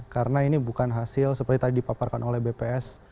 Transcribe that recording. karena ini bukan hasil seperti tadi dipaparkan oleh bps